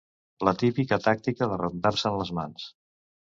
La típica tàctica de rentar-se'n les mans.